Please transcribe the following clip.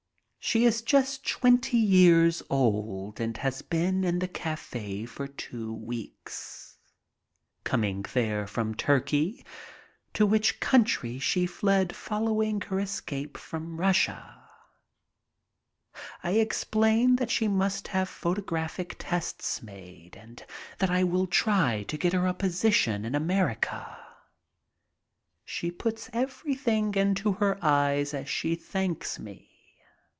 She is just twenty years old and has been in the cafe for two weeks, coming there from Turkey, to which country she fled following her escape from Russia. I explain that she must have photographic tests made and that I will try^ to get her a position in America. She puts everything into her eyes as she thanks me.